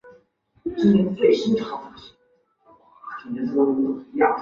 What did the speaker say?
树液亦可能会刺激眼睛及胃肠管。